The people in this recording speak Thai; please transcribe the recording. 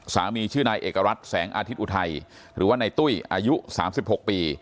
สามีชื่อนายเอกรัฐแสงอาทิตย์อุทัยหรือว่าในตุ้ยอายุ๓๖ปี